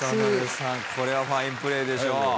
これはファインプレーでしょう。